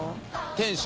店主？